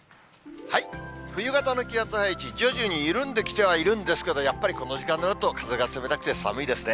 冬型の気圧配置、徐々に緩んできてはいるんですけれども、やっぱりこの時間になると、風が冷たくて寒いですね。